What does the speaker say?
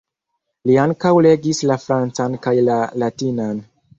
Li ankaŭ legis la francan kaj la latinan.